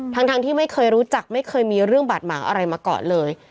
ทั้งที่ไม่เคยรู้จักไม่เคยมีเรื่องบาดหมางอะไรมาก่อนเลย